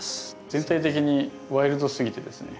全体的にワイルドすぎてですね。